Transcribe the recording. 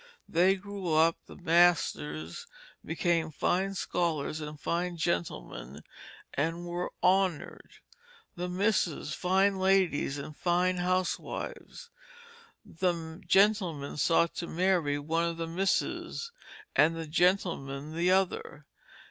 They grew up, the Masters became fine Scholars and fine Gentlemen and were honoured; the Misses fine Ladies and fine Housewives. This Gentleman sought to Marry one of the Misses, and that Gentleman the Other.